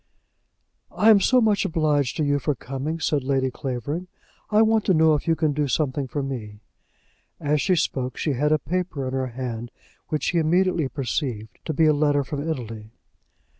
"I'm so much obliged to you for coming," said Lady Clavering. "I want to know if you can do something for me." As she spoke, she had a paper in her hand which he immediately perceived to be a letter from Italy.